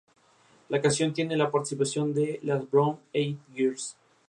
Tras la guerra, la ciudad recuperó su nombre de "Tesalónica".